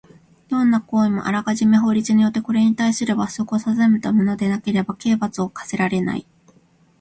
どんな行為もあらかじめ法律によってこれにたいする罰則を定めたものでなければ刑罰を科せられない。